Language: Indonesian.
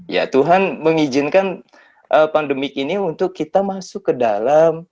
ya tuhan mengizinkan pandemi ini untuk kita masuk ke dalam